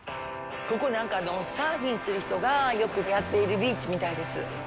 ここ、なんかサーフィンする人がよくはやっているビーチみたいです。